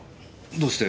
どうして？